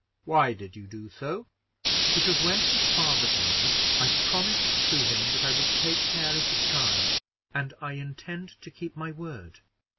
"Why did you do so?" "Because when his father died I promised to him that I would take care of his child; and I intend to keep my word."